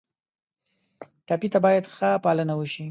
ټپي ته باید ښه پالنه وشي.